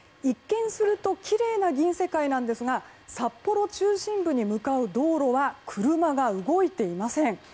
一見するときれいな銀世界なんですが札幌中心部に向かう道路は車が動いていません。